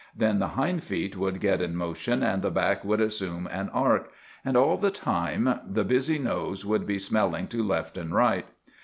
Then the hind feet would get in motion and the back would assume an arc, and all the time the busy nose would be smelling to left and right.